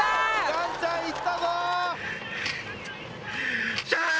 岩ちゃんいったぞ。